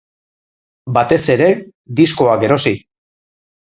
Batez ere, diskoak erosi.